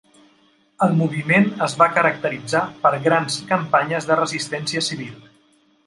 El moviment es va caracteritzar per grans campanyes de resistència civil.